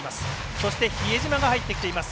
そして比江島が入ってきています。